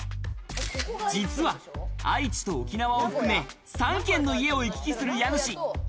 実は愛知と沖縄を含め、３軒の家を行き来する家主。